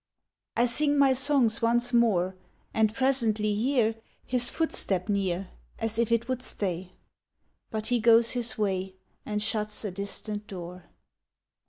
I sing my songs once more, And presently hear His footstep near As if it would stay; But he goes his way, And shuts a distant door.